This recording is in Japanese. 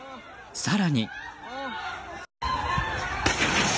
更に。